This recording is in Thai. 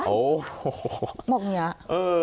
โอ้โหบอกอย่างนี้